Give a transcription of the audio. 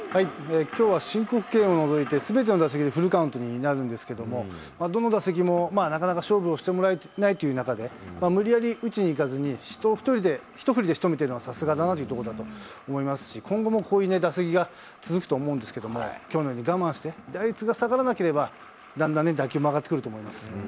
きょうは申告敬遠を除いてすべての打席、フルカウントになるんですけども、どの打席もなかなか勝負をしてもらえないという中で、無理やり打ちにいかずに、一振りでしとめているのはさすがだなと思いますし、今後もこういう打席が続くと思うんですけれども、きょうのように我慢して、打率が下がらなければ、だんだん打球も上がってくると思います。